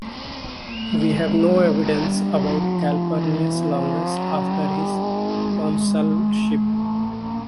We have no evidence about Calpurnius Longus after his consulship.